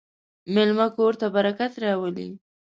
مېلمه کور ته برکت راولي.